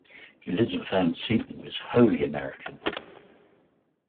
Elizabeth Ann Seton was wholly American!